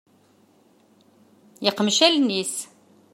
Yeqmec allen-is.